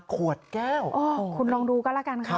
ขวดแก้วคุณลองดูก็แล้วกันค่ะ